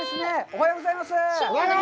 おはようございます！